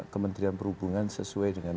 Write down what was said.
kementerian perhubungan sesuai dengan